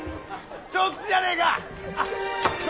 長吉じゃねえか！